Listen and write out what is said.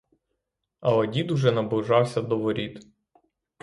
Але дід уже наближався до воріт.